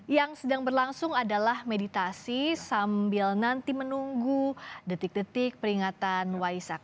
yang sedang berlangsung adalah meditasi sambil nanti menunggu detik detik peringatan waisak